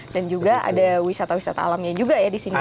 dan juga ada wisata wisata alamnya juga ya di sini ya